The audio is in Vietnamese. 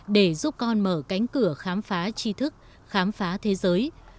để giúp con mở cánh cửa khám phá chi thức khám phá thế giới